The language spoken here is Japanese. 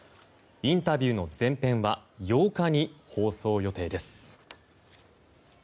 インタビューの全編は８日に放送予定です。